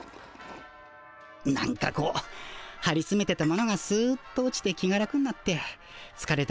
なんかこうはりつめてたものがすっと落ちて気が楽になってつかれた